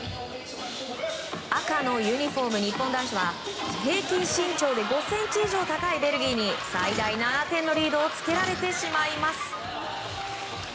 赤のユニホーム日本男子は平均身長で５ｃｍ以上高いベルギーに最大７点のリードをつけられてしまいます。